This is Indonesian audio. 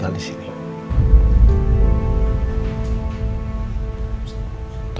kaya bisa pertemukan saya sama dia